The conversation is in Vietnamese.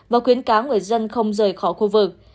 và khuyến cáo người dân không rời khỏi khu vực